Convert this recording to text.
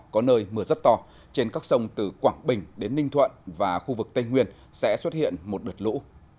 có nơi mưa rất to trên các sông từ quảng bình đến ninh thuận và khu vực tây nguyên sẽ xuất hiện một đợt lũ